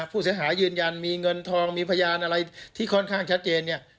ผู้เสียหายยืนยันมีเงินทองมีพยานอะไรที่ค่อนข้างชัดเจนเนี่ย